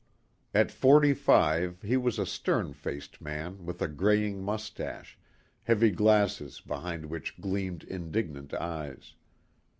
At forty five he was a stern faced man with a greying mustache, heavy glasses behind which gleamed indignant eyes.